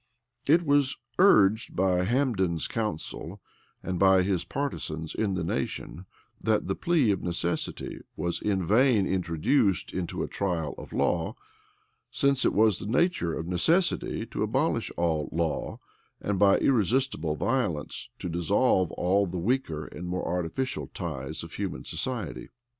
It was urged by Hambden's counsel, and by his partisans in the nation, that the plea of necessity was in vain introduced into a trial of law; since it was the nature of necessity to abolish all law, and, by irresistible violence, to dissolve all the weaker and more artificial ties of human society.